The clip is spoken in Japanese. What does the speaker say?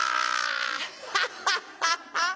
ハハハハッ！